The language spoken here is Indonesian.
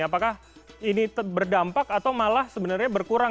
apakah ini berdampak atau malah sebenarnya berkurang